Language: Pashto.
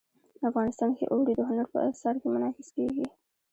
افغانستان کې اوړي د هنر په اثار کې منعکس کېږي.